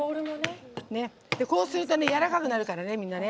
こうすると、やわらかくなるから。